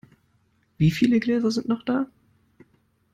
Wieviele Gläser sind noch da?